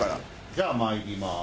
じゃあまいります。